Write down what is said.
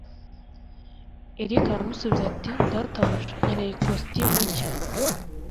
Eric aramusubiza ati: "Databuja, nkeneye ikositimu nshya."